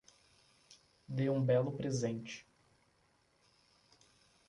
Dê um belo presente